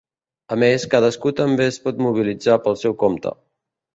A més, cadascú també es pot mobilitzar pel seu compte.